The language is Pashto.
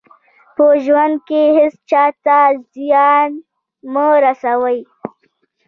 په ژوند کې هېڅ چا ته زیان مه رسوئ.